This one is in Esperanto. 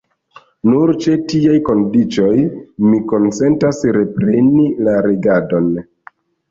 Nur ĉe tiaj kondiĉoj mi konsentas repreni la regadon.